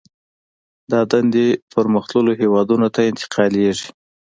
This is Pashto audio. دا دندې پرمختللو هېوادونو ته انتقالېږي